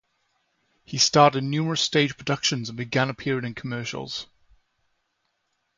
He starred in numerous stage productions and began appearing in commercials.